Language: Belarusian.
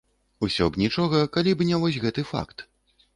Усё б нічога, калі б не вось гэты факт.